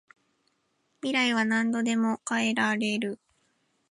未来は何度でも変えられる